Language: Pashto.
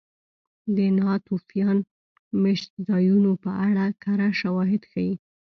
د ناتوفیان مېشتځایونو په اړه کره شواهد ښيي.